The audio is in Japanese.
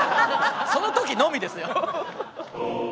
その時のみですよ！